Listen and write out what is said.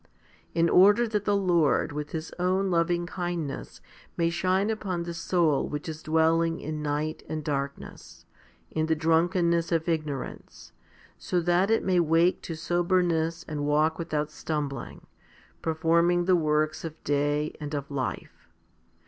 in order that the Lord with His own loving kind ness may shine upon the soul which is dwelling in night and darkness, in the drunkenness of ignorance, so that it may wake to soberness and walk without stumbling, per forming the works of day and of life.